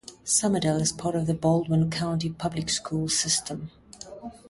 Summerdale is a part of the Baldwin County Public Schools system.